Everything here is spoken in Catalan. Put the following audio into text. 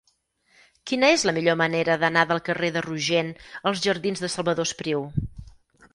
Quina és la millor manera d'anar del carrer de Rogent als jardins de Salvador Espriu?